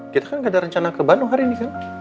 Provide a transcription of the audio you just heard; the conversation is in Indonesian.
kita kan gak ada rencana ke bandung hari ini kan